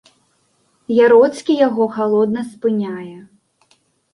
Яроцкі яго халодна спыняе.